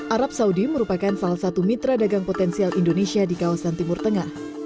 arab saudi merupakan salah satu mitra dagang potensial indonesia di kawasan timur tengah